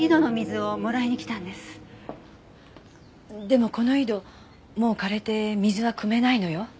でもこの井戸もう枯れて水はくめないのよ。